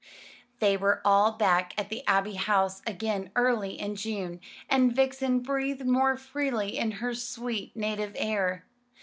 They were all back at the Abbey House again early in June, and Vixen breathed more freely in her sweet native air.